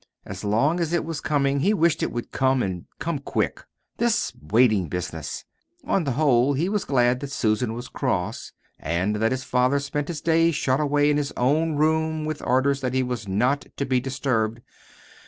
As long as it was coming he wished it would come, and come quick. This waiting business On the whole he was glad that Susan was cross, and that his father spent his days shut away in his own room with orders that he was not to be disturbed.